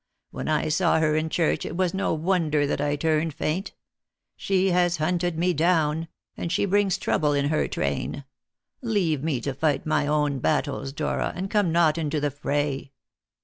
When I saw her in church it was no wonder that I turned faint. She has hunted me down; and she brings trouble in her train. Leave me to fight my own battles, Dora, and come not into the fray.